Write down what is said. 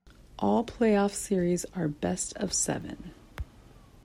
All playoff series are best-of-seven.